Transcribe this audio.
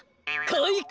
かいか！